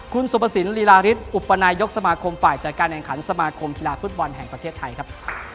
คุณสุภสินลีลาริสอุปนายกสมาคมฝ่ายจัดการแข่งขันสมาคมกีฬาฟุตบอลแห่งประเทศไทยครับ